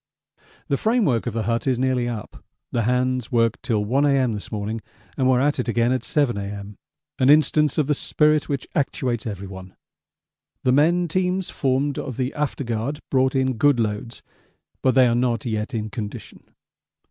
The framework of the hut is nearly up; the hands worked till 1 A.M. this morning and were at it again at 7 A.M. an instance of the spirit which actuates everyone. The men teams formed of the after guard brought in good loads, but they are not yet in condition.